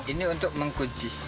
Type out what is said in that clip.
ini untuk mengunci